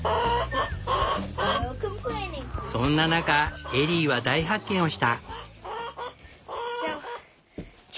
そんな中エリーは大発見をした。